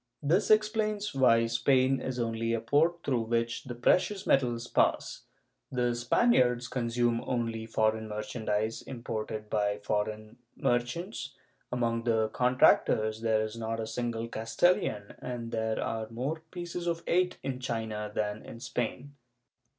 This explains why Spain is only a port through which the precious metals pass; the Spaniards consume only foreign merchandise imported by foreign merchants; among the contractors there is not a single Castilian, and there are more pieces of eight in China than in Spain.